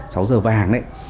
sáu giờ vàng ấy